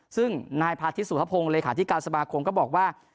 ซึ่งนายพาธิสุภพงศ์เลขาธิการสมาคมก็บอกว่า